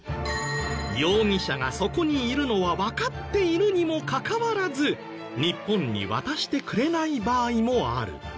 容疑者がそこにいるのはわかっているにもかかわらず日本に渡してくれない場合もある。